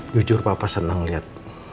jujur papa senang lihat